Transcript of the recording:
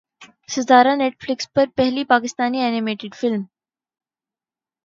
ستارہ Netflix پر پہلی پاکستانی اینیمیٹڈ فلم